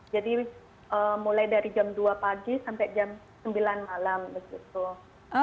jadi mulai dari jam dua pagi sampai jam sembilan malam